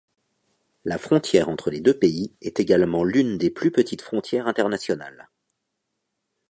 La frontière entre les deux pays est également l'une des plus petites frontières internationales.